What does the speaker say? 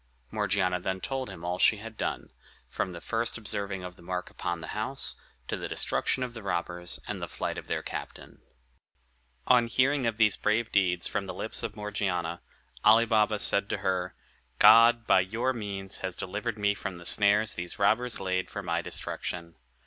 Morgiana then told him all she had done, from the first observing the mark upon the house, to the destruction of the robbers, and the flight of their captain. On hearing of these brave deeds from the lips of Morgiana, Ali Baba said to her, "God, by your means, has delivered me from the snares these robbers laid for my destruction.